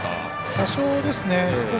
多少ですね。